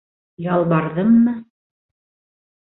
Ялбарҙыммы?